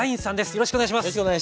よろしくお願いします。